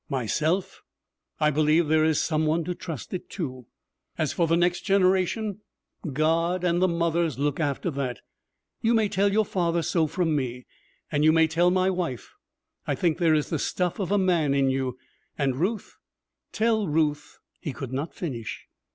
Myself, I believe there is Some One to trust it to. As for the next generation, God and the mothers look after that! You may tell your father so from me. And you may tell my wife I think there is the stuff of a man in you. And Ruth tell Ruth ' He could not finish.